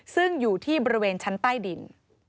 ซึ่งอยู่ที่บริเวณชั้นใต้ดิน